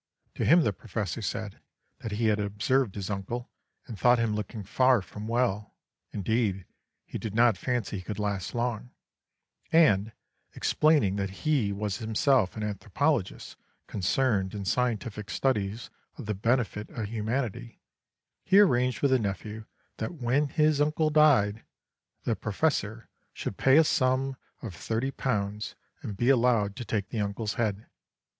To him the Professor said that he had observed his uncle, and thought him looking far from well, indeed, he did not fancy he could last long, and, explaining that he was himself an anthropologist, concerned in scientific studies for the benefit of humanity, he arranged with the nephew that, when his uncle died, the Professor should pay a sum of £30 and be allowed to take the uncle's head.